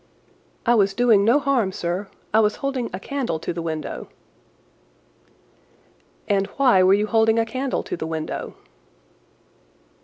"I was doing no harm, sir. I was holding a candle to the window." "And why were you holding a candle to the window?"